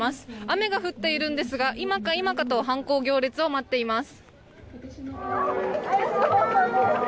雨が降っているんですが今か今かと藩公行列を待っています。